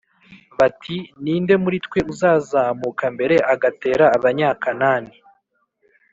bati “ni nde muri twe uzazamuka mbere agatera abanyakanani